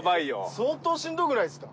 相当しんどくないですか？